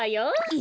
え？